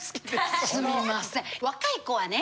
若い子はね